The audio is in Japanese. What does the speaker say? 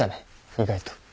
意外と。